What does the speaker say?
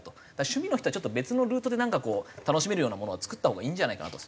趣味の人は別のルートで楽しめるようなものを作ったほうがいいんじゃないかなと。